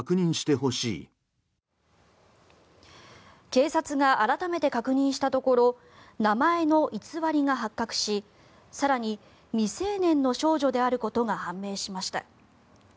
警察が改めて確認したところ名前の偽りが発覚し更に、未成年の少女であることが判明しました。